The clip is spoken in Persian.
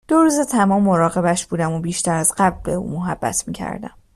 دو روز تمام مراقبش بودم و بیشتر از قبل به او محبت میکردم